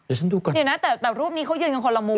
เดี๋ยวฉันดูก่อนเดี๋ยวนะแต่รูปนี้เขายืนกันคนละมุม